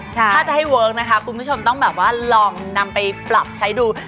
ถ้าจะให้เวิร์คนะคะคุณผู้ชมต้องแบบว่าลองนำไปปรับใช้ดู